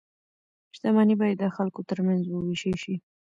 شتمني باید د خلکو ترمنځ وویشل شي.